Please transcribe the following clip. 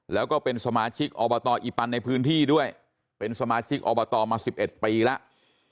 แล้วก็เป็นสมาชิกอบตอีปันในพื้นที่ด้วยเป็นสมาชิกอบตมา๑๑ปีแล้ว